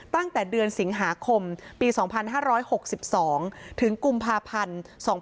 ตั้งแต่เดือนสิงหาคมปี๒๕๖๒ถึงกุมภาพันธ์๒๕๖๒